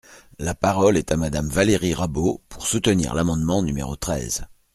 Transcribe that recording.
La parole est à Madame Valérie Rabault, pour soutenir l’amendement numéro treize.